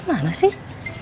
em mak gimana sih